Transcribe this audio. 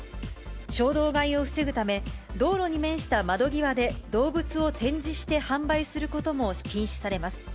衝動買いを防ぐため、道路に面した窓際で動物を展示して販売することも禁止されます。